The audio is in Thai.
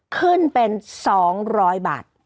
ขึ้นเป็น๒๐๐บาท